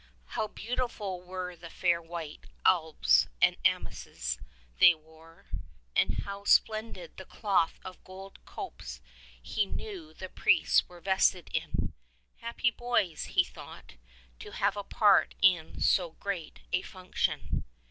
How beautiful were the fair white albs and amices tliey wore, and how splendid the cloth of gold copes he knew the priests were vested in ! Happy boys, he thought, to have a part in so great a function.